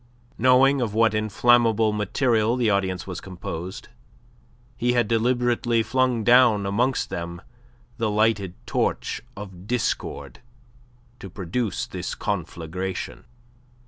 Knowing of what inflammable material the audience was composed, he had deliberately flung down amongst them the lighted torch of discord, to produce this conflagration.